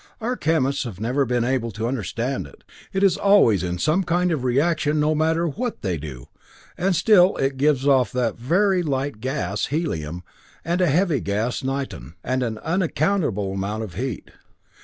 Our chemists have never been able to understand it it is always in some kind of reaction no matter what they do, and still it gives off that very light gas, helium, and a heavy gas, niton, and an unaccountable amount of heat."